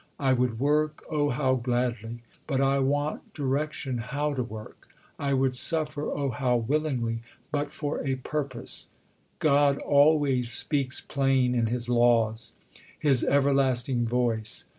I would work, oh! how gladly, but I want direction how to work. I would suffer, oh! how willingly, but for a purpose.... God always speaks plain in His laws His everlasting voice....